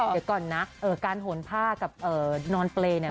เดี๋ยวก่อนค่ะการโหนผ้ากับนอนเพลิน